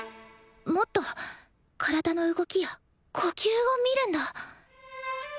もっと体の動きや呼吸を見るんだ。